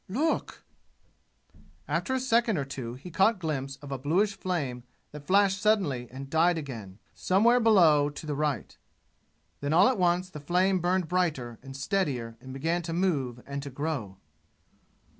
"Look!" After a second or two he caught a glimpse of bluish flame that flashed suddenly and died again, somewhere below to the right. Then all at once the flame burned brighter and steadier and began to move and to grow.